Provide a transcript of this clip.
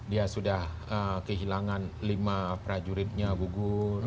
dia sudah kehilangan lima prajuritnya gugur